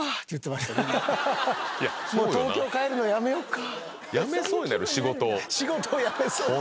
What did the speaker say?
もう東京帰るのやめようか。